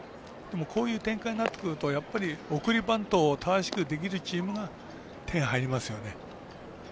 こういう展開なってくると送りバントを正しくできるチームが点、入りますよね。